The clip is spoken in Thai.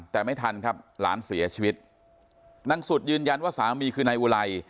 แต่ไม่ทันครับหลานเสียชีวิตนางสุดยืนยันว่าสามีคือนายอุไล